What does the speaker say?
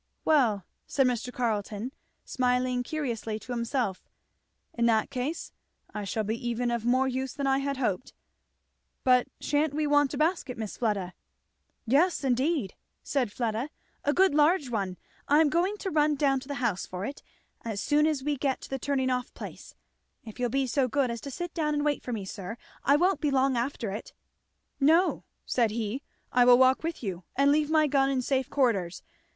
"Well," said Mr. Carleton smiling curiously to himself, "in that case I shall be even of more use than I had hoped. But sha'n't we want a basket, Miss Fleda?" "Yes indeed," said Fleda, "a good large one I am going to run down to the house for it as soon as we get to the turning off place, if you'll be so good as to sit down and wait for me, sir, I won't be long after it." "No," said he; "I will walk with you and leave my gun in safe quarters.